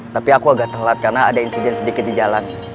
tapi aku agak telat karena ada insiden sedikit di jalan